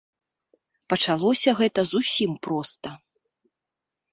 Пачалося гэта зусім проста.